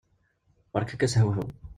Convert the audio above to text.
Berka-k ashewhew!